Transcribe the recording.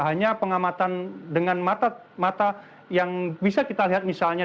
hanya pengamatan dengan mata mata yang bisa kita lihat misalnya